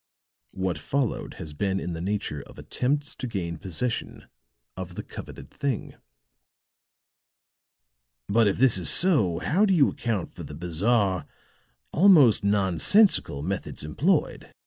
What followed has been in the nature of attempts to gain possession of the coveted thing." "But if this is so, how do you account for the bizarre almost nonsensical methods employed?